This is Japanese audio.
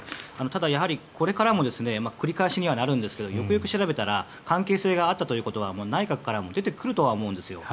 ただ、これからも繰り返しにはなるんですがよくよく調べたら関係性があったということが内閣からも出てくるとは思うんですよ。